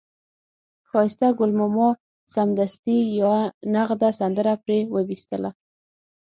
ښایسته ګل ماما سمدستي یوه نغده سندره پرې وویستله.